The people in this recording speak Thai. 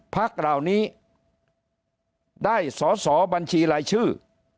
พักเหล่านี้ได้สอสอบัญชีรายชื่อ